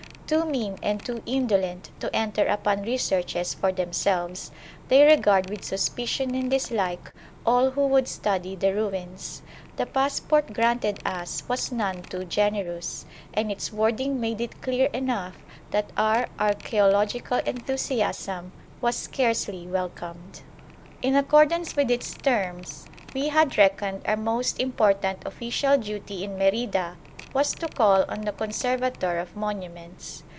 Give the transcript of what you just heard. Too mean and too indolent to enter upon researches for themselves, they regard with suspicion and dislike all who would study the ruins. The passport granted us was none too generous, and its wording made it clear enough that our archæological enthusiasm was scarcely welcomed. In accordance with its terms, we had reckoned our most important official duty in Merida was to call on the Conservator of Monuments.